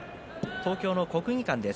東京の国技館です。